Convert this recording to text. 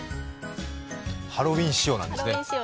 ハロウィーン仕様なんですね。